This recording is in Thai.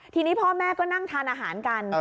ทีนี้พ่อแม่ก็นั่งทานอาหารกัน